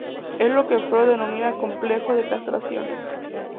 Es lo que Freud denomina complejo de castración.